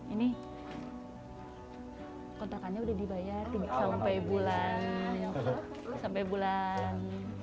ini kontrakannya sudah dibayar sampai bulan